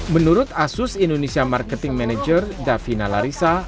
menurut asus indonesia marketing manager davina larissa